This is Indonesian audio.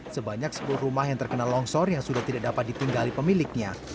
sebanyak sepuluh rumah yang terkena longsor yang sudah tidak dapat ditinggali pemiliknya